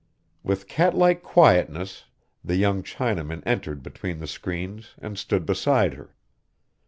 With cat like quietness the young Chinaman entered between the screens and stood beside her.